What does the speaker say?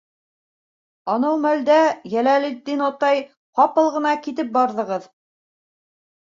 - Анау мәлдә, Йәләлетдин атай, ҡапыл ғына китеп барҙығыҙ.